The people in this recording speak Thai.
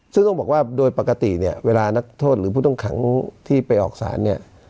ซึ่งต้องบอกว่าโดยปกติเนี่ยเวลานักโทษหรือผู้ต้องขังที่ไปออกสารเนี่ย